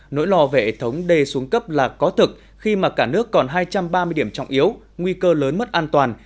nỗi lo về hệ thống đê xuống cấp là có thực khi mà cả nước còn hai trăm ba mươi điểm trọng yếu nguy cơ lớn mất an toàn